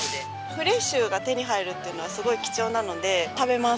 フレッシュが手に入るっていうのはすごい貴重なので食べます。